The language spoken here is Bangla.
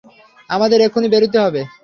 আমাদের এক্ষুনি বেরুতে হবে!